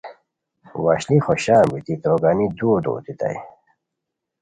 وشلی خوشان بیتی توگانی دُورتو اوتیتائے